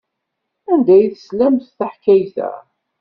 Anda ay teslamt taḥkayt-a?